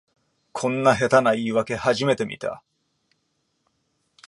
こんな下手な言いわけ初めて見た